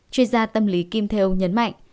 chuyên gia tâm lý kim thêu nhấn mạnh